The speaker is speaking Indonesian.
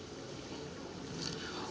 menyatakan sikap sebagai berikut